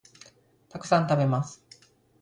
たくさん、食べます